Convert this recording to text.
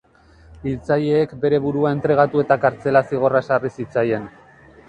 Hiltzaileek beren burua entregatu eta kartzela-zigorra ezarri zitzaien.